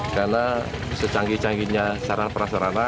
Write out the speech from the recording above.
karena secanggih cangginya saran perasarana